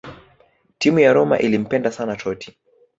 Timu ya Roma ilimpenda sana Totti